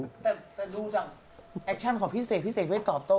แต่ดูจากแอคชั่นของพี่เสกพี่เสกไม่ตอบโต้